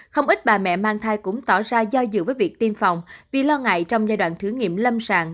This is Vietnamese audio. không ít bà mẹ mang thai cũng tỏ ra do dự với việc tiêm phòng vì lo ngại trong giai đoạn thử nghiệm lâm sàng